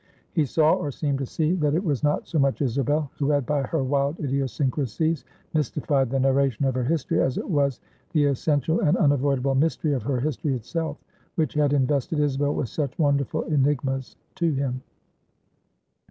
He saw, or seemed to see, that it was not so much Isabel who had by her wild idiosyncrasies mystified the narration of her history, as it was the essential and unavoidable mystery of her history itself, which had invested Isabel with such wonderful enigmas to him.